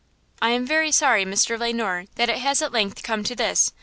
"I am very sorry, Mr. Le Noir, that it has at length come to this.